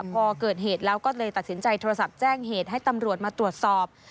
พอเกิดเหตุแล้วก็เลยตัดสินใจโทรศัพท์แจ้งเหตุให้ตำรวจมาตรวจสอบ